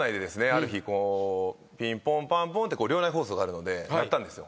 ある日ピンポンパンポンって寮内放送があるので鳴ったんですよ。